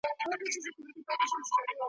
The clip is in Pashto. چي په نصیب یې مُلا شاهي وي ,